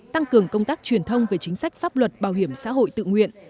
tăng cường công tác truyền thông về chính sách pháp luật bảo hiểm xã hội tự nguyện